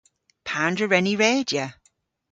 Pandr'a wren ni redya?